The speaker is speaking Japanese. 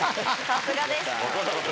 さすがですやっ